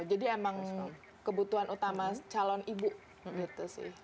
jadi emang kebutuhan utama calon ibu gitu sih